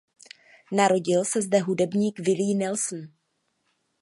Narodil se zde hudebník Willie Nelson.